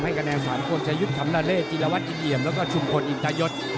ให้กระแนนสารคนชายุทธ์คำลาเลจิลวัฒน์อินเหยียมและก็ชุมคนอินทายศ